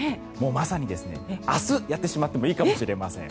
まさに明日やってしまってもいいかもしれません。